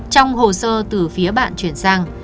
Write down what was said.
trong hồ sơ từ phía bạn chuyển sang